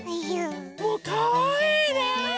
もうかわいいね！